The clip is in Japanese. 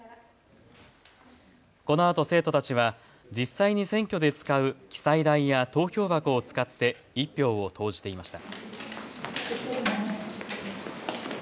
このあと生徒たちは実際に選挙で使う記載台や投票箱を使って１票を投じていました。